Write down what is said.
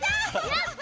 やった！